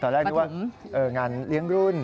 ตอนแรกรู้ว่างานเลี้ยงรุ่น